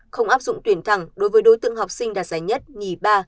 không áp dụng tuyển thẳng đối với đối tượng học sinh đạt giải nhất nhì ba